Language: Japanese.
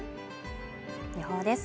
予報です